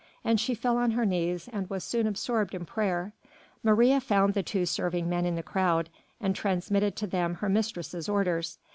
And she fell on her knees, and was soon absorbed in prayer. Maria found the two serving men in the crowd, and transmitted to them her mistress's orders.